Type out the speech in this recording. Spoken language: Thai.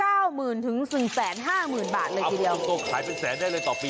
อำรุณตัวขายเป็นแสนได้เลยต่อปี